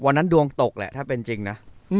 วันนั้นดวงตกและจริงจริงนะ